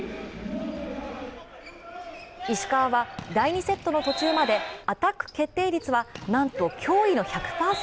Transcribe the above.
石川は第２セットの途中までアタック決定率はなんと驚異の１００％。